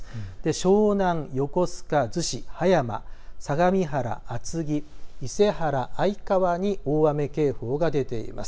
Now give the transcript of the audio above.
湘南、横須賀、逗子、葉山、相模原、厚木、伊勢原、愛川に大雨警報が出ています。